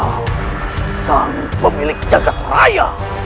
mereka memiliki jagad raya